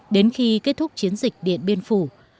đến khi kết thúc chiến dịch điện biên phủ